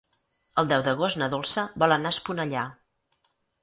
El deu d'agost na Dolça vol anar a Esponellà.